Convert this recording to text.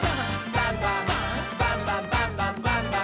バンバン」「バンバンバンバンバンバン！」